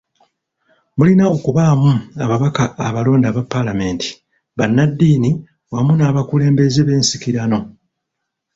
Mulina okubaamu ababaka abalonde aba Palamenti, bannaddiini wamu n'abakulembeze b'ensikirano.